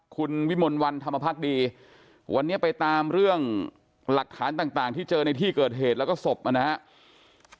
คุณวิมลวันธรรมพักดีวันนี้ไปตามเรื่องหลักฐานต่างที่เจอในที่เกิดเหตุแล้วก็ศพนะครับ